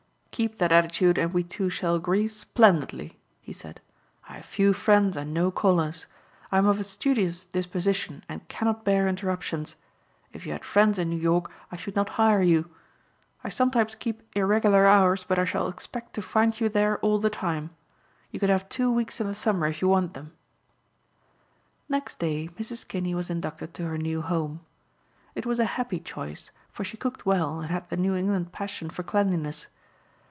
"Keep that attitude and we two shall agree splendidly," he said. "I have few friends and no callers. I am of a studious disposition and cannot bear interruptions. If you had friends in New York I should not hire you. I sometimes keep irregular hours but I shall expect to find you there all the time. You can have two weeks in the summer if you want them." Next day Mrs. Kinney was inducted to her new home. It was a happy choice for she cooked well and had the New England passion for cleanliness.